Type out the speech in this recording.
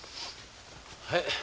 はい。